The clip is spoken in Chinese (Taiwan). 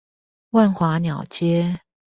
萬華鳥街